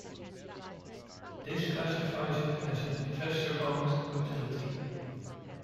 This classifies it as an investor-owned utility.